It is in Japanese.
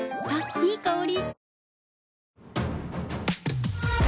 いい香り。